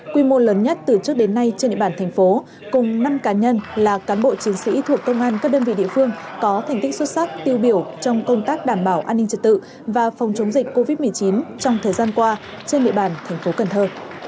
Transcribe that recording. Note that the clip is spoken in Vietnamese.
quy mô lớn nhất từ trước đến nay trên địa bàn thành phố cùng năm cá nhân là cán bộ chiến sĩ thuộc công an các đơn vị địa phương có thành tích xuất sắc tiêu biểu trong công tác đảm bảo an ninh trật tự và phòng chống dịch covid một mươi chín trong thời gian qua trên địa bàn thành phố cần thơ